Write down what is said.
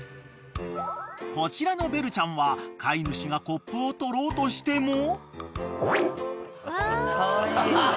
［こちらのベルちゃんは飼い主がコップを取ろうとしても］